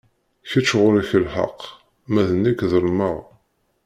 Kečč ɣur-k lḥeqq, ma d nekk ḍelmeɣ.